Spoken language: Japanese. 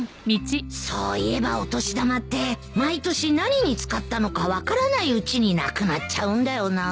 そういえばお年玉って毎年何に使ったのか分からないうちになくなっちゃうんだよな